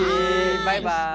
バイバイ！